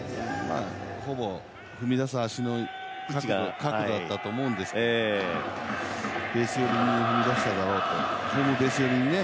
ほぼ踏み出す足の角度だったと思うんですけどベース寄りに踏み出しただろうとこのベースもね